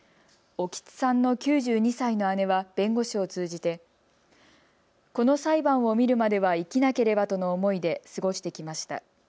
興津さんの９２歳の姉は弁護士を通じてこの裁判を見るまでは生きなければとの思いで過ごしてきました。